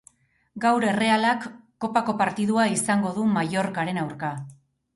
Gaur Errealak kopako partidua izango du Mallorcaren aurka